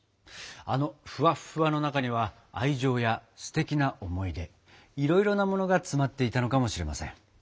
あのふわっふわの中には愛情やすてきな思い出いろいろなものが詰まっていたのかもしれません。